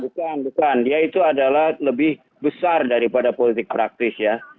bukan bukan dia itu adalah lebih besar daripada politik praktis ya